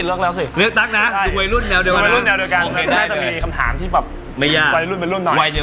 ลากวัยรุ่นเนี่ย